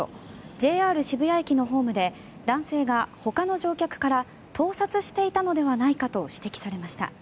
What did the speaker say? ＪＲ渋谷駅のホームで男性がほかの乗客から盗撮していたのではないかと指摘されました。